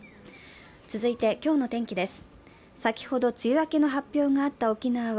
続いて今日の天気です。